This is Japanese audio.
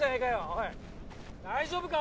おい大丈夫か？